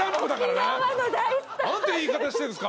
何て言い方してんすか。